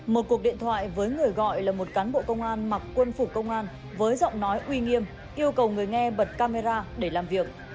một cuộc điện thoại với người gọi là một cán bộ công an mặc quân phục công an với giọng nói uy nghiêm yêu cầu người nghe bật camera để làm việc